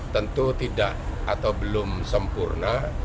tentu tidak atau belum sempurna